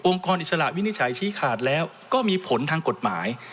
กรอิสระวินิจฉัยชี้ขาดแล้วก็มีผลทางกฎหมาย